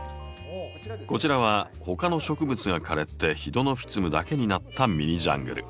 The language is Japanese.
こちらは他の植物が枯れてヒドノフィツムだけになったミニジャングル。